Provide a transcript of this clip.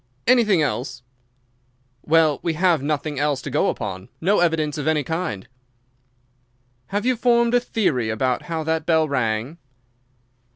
"Anything else?" "Well, we have nothing else to go upon—no evidence of any kind." "Have you formed a theory about how that bell rang?"